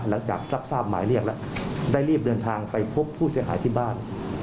หลังจากทราบหมายเรียกแล้วได้รีบเดินทางไปพบผู้เสียหายที่บ้าน